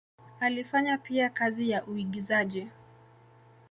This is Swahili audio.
Alifanya pia kazi ya uigizaji.